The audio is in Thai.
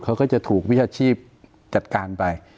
เขาก็จะถูกวิชาชีพจัดการไป